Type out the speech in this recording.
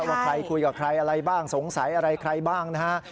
ว่าใครคุยกับใครอะไรบ้างสงสัยอะไรใครบ้างนะฮะ